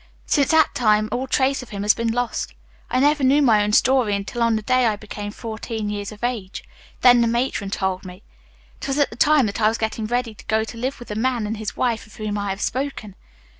"Since that time all trace of him has been lost. I never knew my own story until on the day I became fourteen years of age. Then the matron told me. It was at the time that I was getting ready to go to live with the man and his wife of whom I have spoken.